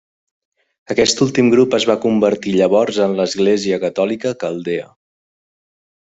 Aquest últim grup es va convertir llavors en l'Església catòlica caldea.